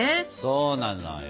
そうなのよ